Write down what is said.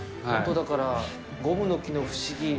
本当だから、ゴムの木の不思議。